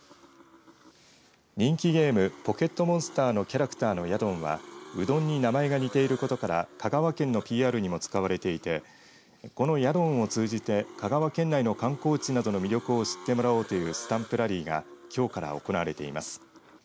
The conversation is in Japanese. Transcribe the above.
人気ゲームポケットモンスターのキャラクターのヤドンはうどんに名前が似ていることから香川県のＰＲにも使われていてこのヤドンを通じて香川県内の観光地などの魅力を知ってもらおうというスタンプラリーがきょうから行われています。